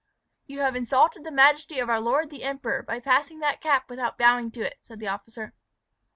"You have insulted the majesty of our lord the Emperor by passing that cap without bowing to it," said the officer.